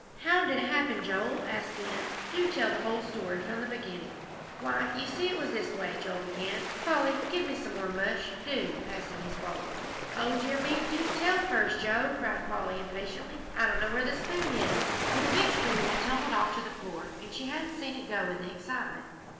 "How did it happen, Joel?" asked Ben. "Do tell the whole story from the beginning." "Why, you see it was this way," began Joel. "Polly, give me some more mush, do," passing his bowl. "O dear me, do tell first, Joe," cried Polly, impatiently. "I don't know where the spoon is," for the big spoon had tumbled off to the floor, and she hadn't seen it go in the excitement.